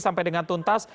sampai dengan tuntas